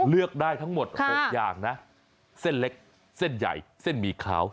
เลือกได้ทั้งหมด๖อย่างนะเส้นเล็กเส้นใหญ่เส้นหมี่ขาว